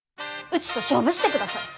うちと勝負してください。